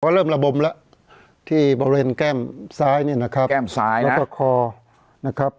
ก็เริ่มระบมละที่โบเรนแก้มซ้ายนี่นะครับแก้มซ้ายนะแล้วก็คอนะครับ